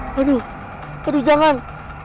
hai aduh aduh jangan